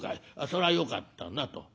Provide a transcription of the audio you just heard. それはよかったな』と。